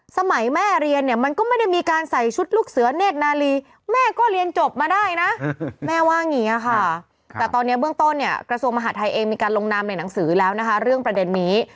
สมัยแม่เรียนเนี่ยมันก็ไม่ได้มีการใส่ชุดลูกเสือเนธนาลีแม่ก็เรียนจบมาได้นะแม่ว่าอย่างนี้ค่ะแต่ตอนนี้เบื้องต้นเนี่ยกระทรวงมหาทัยเองมีการลงนามในหนังสือแล้วนะคะเรื่องประเด็นนี้